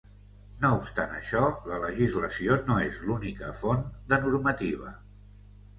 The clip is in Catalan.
No obstant això, la legislació no és l'única font de normativa.